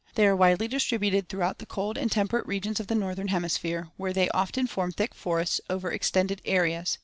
They are widely distributed throughout the cold and temperate regions of the northern hemisphere, where they often form thick forests over extended areas.